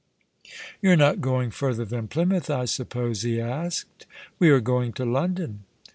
" You're not going further tha n Plymouth, I suppose ?" he asked. " We are going to London."